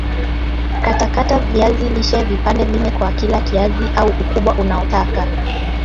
katakata viazi lishe vipande nne kwa kila kiazi au ukubwa unaotaka